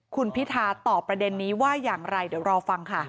คุณพิธาตอบประเด็นนี้ว่าอย่างไรเดี๋ยวรอฟังค่ะ